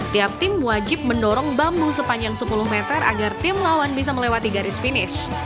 tiap tim wajib mendorong bambu sepanjang sepuluh meter agar tim lawan bisa melewati garis finish